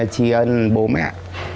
chị ơn bố mẹ